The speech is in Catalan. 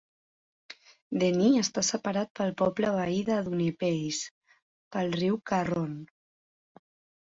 Denny està separat del poble veí de Dunipace pel riu Carron.